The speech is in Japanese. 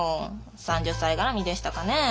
三十歳がらみでしたかね。